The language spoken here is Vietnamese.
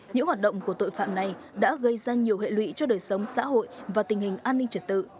những hoạt động của tội phạm này đã gây ra nhiều hệ lụy cho đời sống xã hội và tình hình an ninh trật tự